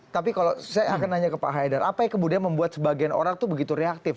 tapi kalau saya akan nanya ke pak haidar apa yang kemudian membuat sebagian orang itu begitu reaktif